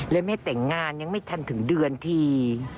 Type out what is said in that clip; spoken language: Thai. ไม่แต่งงานยังไม่ทันถึงเดือนที